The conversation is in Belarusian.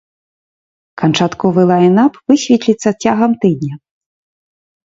Канчатковы лайнап высветліцца цягам тыдня.